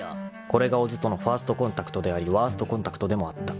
［これが小津とのファーストコンタクトでありワーストコンタクトでもあった］